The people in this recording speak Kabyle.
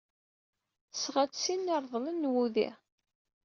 Tesɣa-d sin n yireḍlen n wudi.